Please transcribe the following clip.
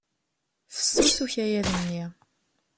Fessus ukayad-nni.